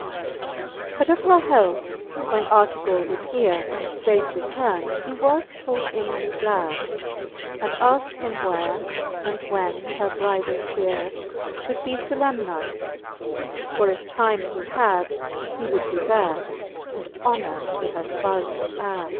But of her health when Artegall did heare, And fafe returne, he was full inly glad, And aikt him where, and when her bridale cheare Should be iolemniz'd : for if time he had, He would be there, and honor to her Ipoufall ad.